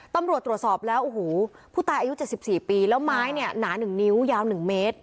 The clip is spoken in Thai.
ตำรวจตรวจสอบแล้วโอ้โหผู้ตายอายุเจ็บสิบสี่ปีแล้วไม้เนี้ยหนาหนึ่งนิ้วยาวหนึ่งเมตร